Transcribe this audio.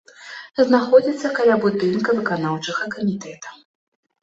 Знаходзіцца каля будынка выканаўчага камітэта.